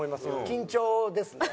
緊張ですね。